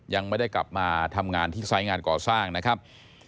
ยังไม่ได้กลับมาทำงานที่ไซส์งานก่อสร้างนะครับ